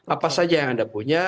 apa saja yang anda punya